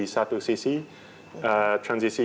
satu sisi transisi